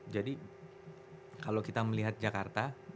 jadi kalau kita melihat jakarta